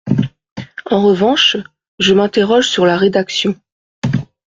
En revanche, je m’interroge sur la rédaction.